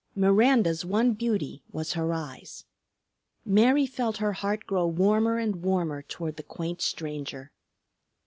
Miranda's one beauty was her eyes. Mary felt her heart grow warmer and warmer toward the quaint stranger.